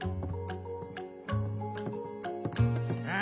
うん？